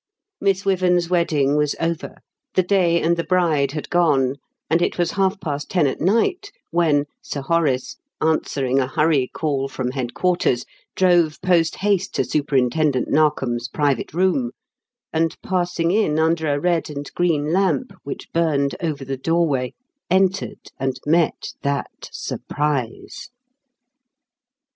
Miss Wyvern's wedding was over, the day and the bride had gone, and it was half past ten at night, when Sir Horace, answering a hurry call from headquarters, drove post haste to Superintendent Narkom's private room, and passing in under a red and green lamp which burned over the doorway, entered and met that "surprise."